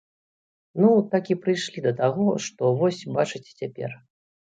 Ну, так і прыйшлі да таго, што вось бачыце цяпер.